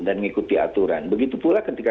dan mengikuti aturan begitu pula ketika